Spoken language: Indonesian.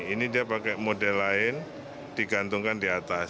ini dia pakai model lain digantungkan di atas